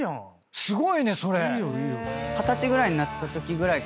すごいねそれ！